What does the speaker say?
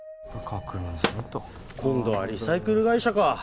確認済みと今度はリサイクル会社か